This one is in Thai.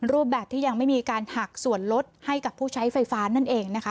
รูปแบบที่ยังไม่มีการหักส่วนลดให้กับผู้ใช้ไฟฟ้านั่นเองนะคะ